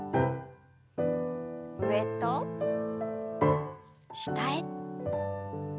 上と下へ。